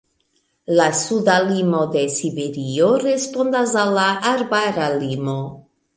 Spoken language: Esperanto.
La suda limo de Siberio respondas al la arbara limo.